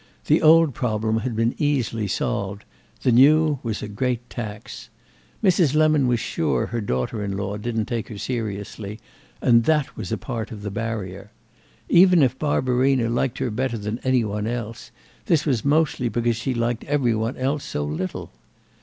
The old problem had been easily solved, the new was a great tax. Mrs. Lemon was sure her daughter in law didn't take her seriously, and that was a part of the barrier. Even if Barbarina liked her better than any one else this was mostly because she liked every one else so little.